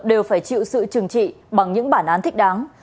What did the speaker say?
đều phải chịu sự trừng trị bằng những bản án thích đáng